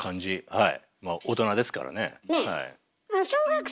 はい。